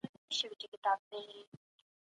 د ایډیالوژۍ له مخې تاریخ مه لولئ.